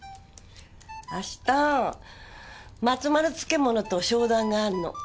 明日まつまる漬物と商談があるの。